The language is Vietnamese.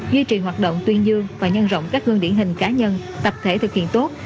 duy trì hoạt động tuyên dương và nhân rộng các gương điển hình cá nhân tập thể thực hiện tốt